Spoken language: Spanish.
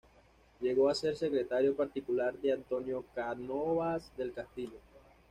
Llegó a ser secretario particular de Antonio Cánovas del Castillo.